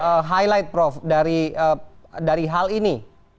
apa yang perlu kita highlight prof dari dari hal ini